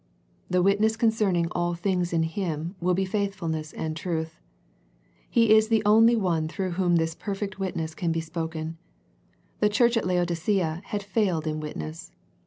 The witness concerning all things in Him will be faithfulness and truth. He is the only One through Whom this perfect witness can be spoken. The church at Laodicea had failed in witness.